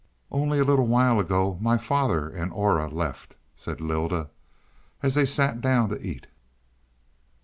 "Only a little while ago my father and Aura left," said Lylda, as they sat down to eat.